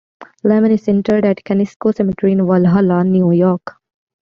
Lehman is interred at Kensico Cemetery in Valhalla, New York.